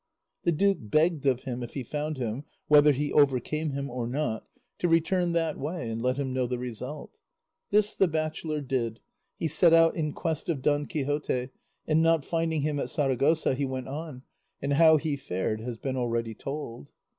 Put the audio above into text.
The duke begged of him if he found him (whether he overcame him or not) to return that way and let him know the result. This the bachelor did; he set out in quest of Don Quixote, and not finding him at Saragossa, he went on, and how he fared has been already told.